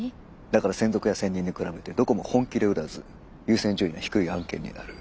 だから専属や専任に比べてどこも本気で売らず優先順位が低い案件になる。